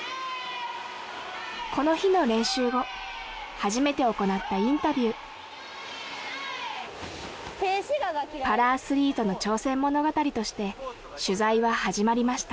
この日の練習後初めて行ったインタビューパラアスリートの挑戦物語として取材は始まりました